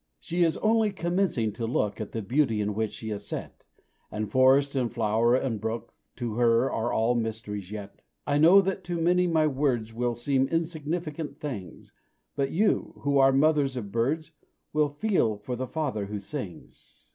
She is only commencing to look At the beauty in which she is set; And forest and flower and brook, To her are all mysteries yet. I know that to many my words Will seem insignificant things; But you who are mothers of birds Will feel for the father who sings.